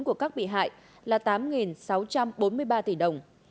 của các bị hại là tám sáu trăm bốn mươi ba tỷ đồng